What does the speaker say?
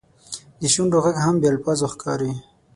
د شونډو ږغ هم بې الفاظو ښکاري.